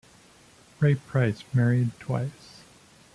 Ray Price married twice.